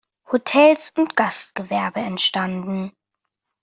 Hotels und Gastgewerbe entstanden.